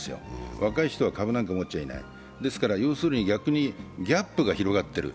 若い人は株なんか持っちゃいないだから要するに逆にギャップが広がっている。